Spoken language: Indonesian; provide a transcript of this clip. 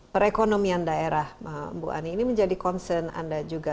perekonomian daerah bu ani ini menjadi concern anda juga